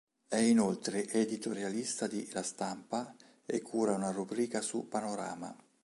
È inoltre editorialista di "La Stampa" e cura una rubrica su "Panorama".